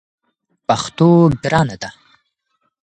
پښتو ګرانه ده!